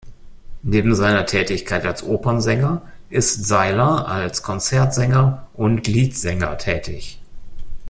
Neben seiner Tätigkeit als Opernsänger ist Seiler als Konzertsänger und Liedsänger tätig.